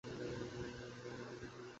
আমরা এখানে কী করছি?